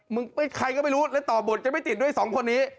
ใครก็ไม่รู้แล้วต่อบทจะไม่ติดด้วยสองคนนี้